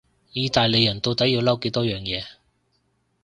意大利人到底要嬲幾多樣嘢？